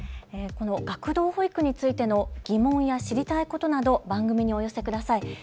学童保育についての疑問や知りたいことなど番組にお寄せください。